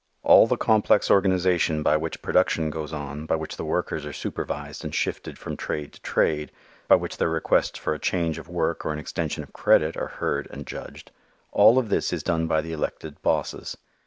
All the complex organization by which production goes on by which the workers are supervised and shifted from trade to trade, by which their requests for a change of work or an extension of credit are heard and judged all of this is done by the elected "bosses."